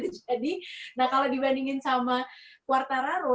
jadi nah kalau dibandingin sama quartararo